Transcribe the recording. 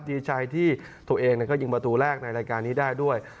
ดีใจที่ตัวเองก็ยิงประตูแรกในรายการนี้ได้ด้วย